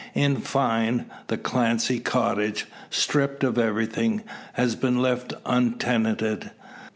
In fine, the Clancy cottage, stripped of everything, has been left untenanted.